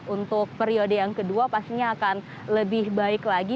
untuk periode yang kedua pastinya akan lebih baik lagi